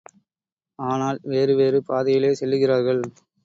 ஆனால், வேறு வேறு பாதையிலே செல்லுகிறார்கள்.